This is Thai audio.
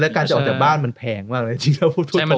และการออกจากบ้านมันแพงมากเลยแล้วพูดถูกถูก